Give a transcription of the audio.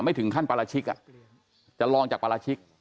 ถึงขั้นปราชิกจะลองจากปราชิก